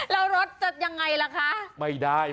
แล้วรถจัดยังไงล่ะคะ